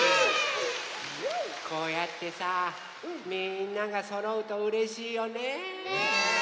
こうやってさみんながそろうとうれしいよね。ね。